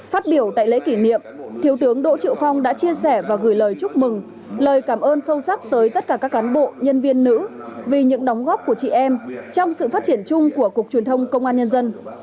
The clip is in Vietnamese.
phát biểu tại lễ kỷ niệm thiếu tướng đỗ triệu phong đã chia sẻ và gửi lời chúc mừng lời cảm ơn sâu sắc tới tất cả các cán bộ nhân viên nữ vì những đóng góp của chị em trong sự phát triển chung của cục truyền thông công an nhân dân